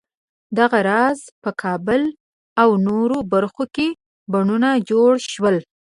دغه راز په کابل او نورو برخو کې بڼونه جوړ شول.